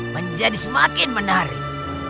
menjadi semakin menarik